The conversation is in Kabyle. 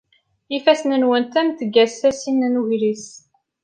Ifassen-nwent am tgasasin n ugris.